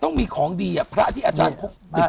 ต้องมีของดีพระที่อาจารย์พกติด